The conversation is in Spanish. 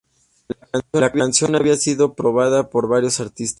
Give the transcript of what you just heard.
La canción había sido probada por varios artistas.